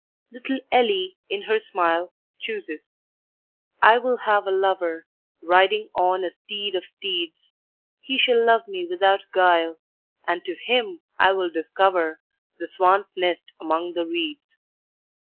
Little Ellie in her smile Chooses ... "I will have a lover, Riding on a steed of steeds! He shall love me without guile, And to him I will discover The swan's nest among the reeds.